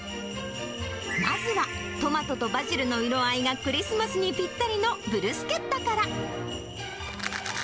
まずは、トマトとバジルの色合いがクリスマスにぴったりのブルスケッタから。